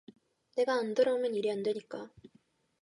내가 안 돌아보면 일이 안 되니까.